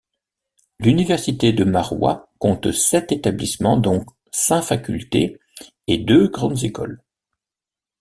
L'Université de Maroua compte sept établissements dont cinq Facultés et deux Grandes Écoles.